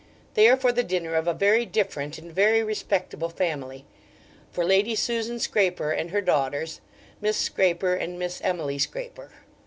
They are for the dinner of a very different and very respectable family; for Lady Susan Scraper, and her daughters, Miss Scraper and Miss Emily Scraper.